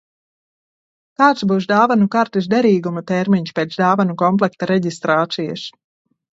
Kāds būs dāvanu kartes derīguma termiņš pēc dāvanu komplekta reģistrācijas?